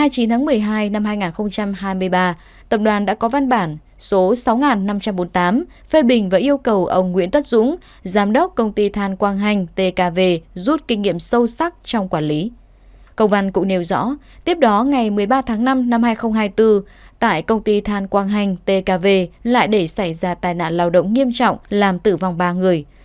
các bạn cũng nêu rõ tiếp đó ngày một mươi ba tháng năm năm hai nghìn hai mươi bốn tại công ty than quang hành tkv lại để xảy ra tai nạn lao động nghiêm trọng làm tử vong ba người